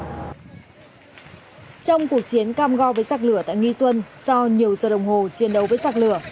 trong cuộc chiến cam go với giặc lửa tại nghi xuân sau nhiều giờ đồng hồ chiến đấu với sạc lửa